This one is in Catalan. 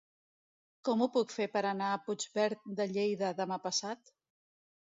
Com ho puc fer per anar a Puigverd de Lleida demà passat?